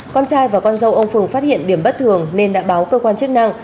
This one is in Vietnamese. con trai và con dâu ông phường phát hiện điểm bất thường nên đã báo cơ quan chức năng